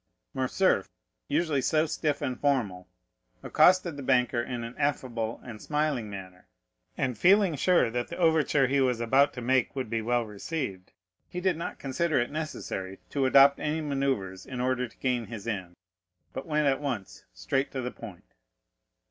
Morcerf, usually so stiff and formal, accosted the banker in an affable and smiling manner, and, feeling sure that the overture he was about to make would be well received, he did not consider it necessary to adopt any manœuvres in order to gain his end, but went at once straight to the point.